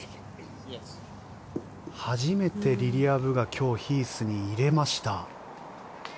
初めてリリア・ブが今日、ヒースに入れました。